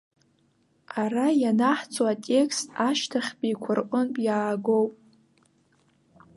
Ара ианаҳҵо атекст ашьҭахьтәиқәа рҟынтә иаагоуп.